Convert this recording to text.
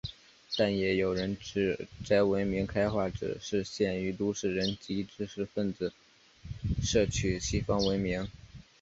但也有人指摘文明开化只是限于都市人及知识分子摄取西方文明。